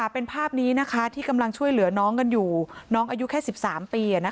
เป็นภาพนี้ที่กำลังช่วยเหลือน้องกันอยู่น้องอายุแค่๑๓ปี